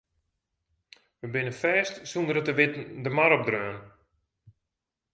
We binne fêst sûnder it te witten de mar opdreaun.